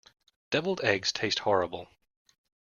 Devilled eggs taste horrible.